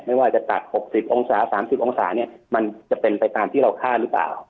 ไม่ว่าจะตัด๖๐องศา๓๐องศาเนี่ยมันจะเป็นไปตามที่เราคาดหรือเปล่า